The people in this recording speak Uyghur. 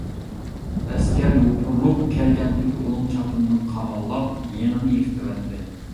ئەسكەر يوپۇرۇلۇپ كەلگەن پېتى ئۇنىڭ چاپىنىدىن قاماللاپ يېڭىنى يىرتىۋەتتى.